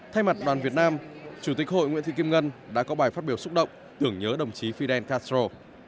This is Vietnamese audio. thay mặt đoàn việt nam chủ tịch hội nguyễn thị kim ngân đã có bài phát biểu xúc động tưởng nhớ đồng chí fidel castro